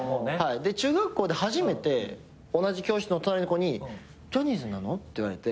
中学校で初めて同じ教室の隣の子に「ジャニーズなの？」って言われて。